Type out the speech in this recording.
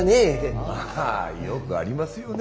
まあよくありますよね